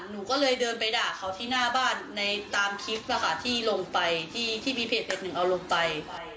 หนูก็เลยเดินไปด่าเขาที่หน้าบ้านในตามคลิปนะคะที่ลงไปที่มีเพจหนึ่งเอาลงไป